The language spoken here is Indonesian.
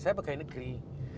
saya pegang negeri